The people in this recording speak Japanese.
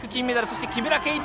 そして木村敬一